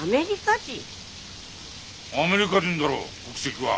アメリカ人だろう国籍は。